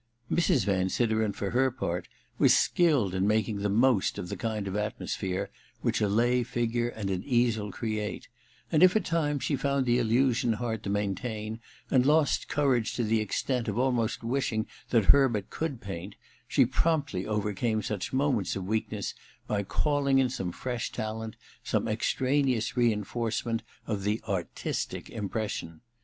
Mrs. Van Sideren, for her part, was skilled in making the most of the kind of atmosphere which a lay figure and an easel create ; and if at times she found the illusion hard to maintain, and lost courage to the extent of almost wishing that Herbert could paint, she promptly overcame such moments of weakness by calling in some fresh talent, some extraneous re enforcement of the * artistic' impression.